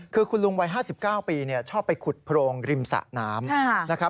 คือคุณลุงวัย๕๙ปีชอบไปขุดโพรงริมสะน้ำนะครับ